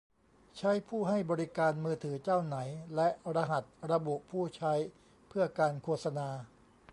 ใช้ผู้ให้บริการมือถือเจ้าไหน และรหัสระบุผู้ใช้เพื่อการโฆษณา